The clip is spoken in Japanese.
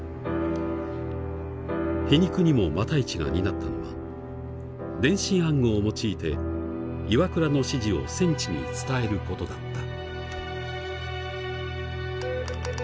皮肉にも復一が担ったのは電信暗号を用いて岩倉の指示を戦地に伝えることだった。